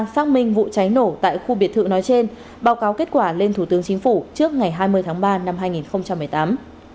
xác minh vụ cháy nổ tại khu biệt thự nói trên báo cáo kết quả lên thủ tướng chính phủ trước ngày hai mươi tháng ba năm hai nghìn một mươi tám